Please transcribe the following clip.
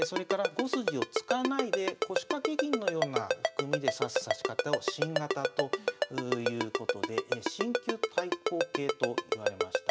５筋を突かないで腰掛け銀のような含みで指す指し方を新型ということで新旧対抗形といわれました。